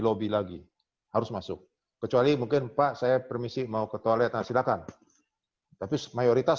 lobby lagi harus masuk kecuali mungkin pak saya permisi mau ke toilet silakan tapi mayoritas